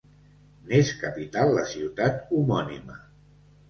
N'és capital la ciutat homònima.